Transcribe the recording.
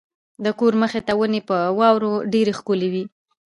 د کور مخې ته ونې په واورو ډېرې ښکلې وې.